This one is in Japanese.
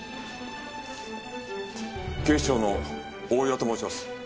警視庁の大岩と申します。